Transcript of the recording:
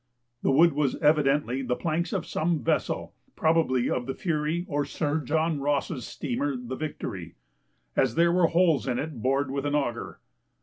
The wood was evidently the planks of some vessel (probably of the Fury or Sir John Ross's steamer the Victory) as there were holes in it bored with an auger.